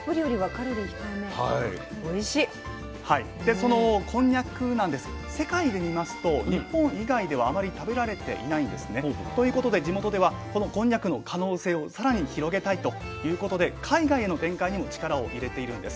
そのこんにゃくなんですが世界で見ますと日本以外ではあまり食べられていないんですね。ということで地元ではこのこんにゃくの可能性を更に広げたいということで海外への展開にも力を入れているんです。